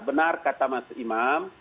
benar kata mas imam